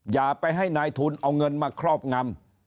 อย่าไปให้นายทุนเอาเงินมาครอบงำ